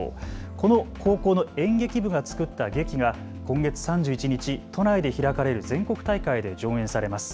この高校の演劇部が作った劇が今月３１日、都内で開かれる全国大会で上演されます。